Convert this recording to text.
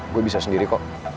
gue bisa sendiri kok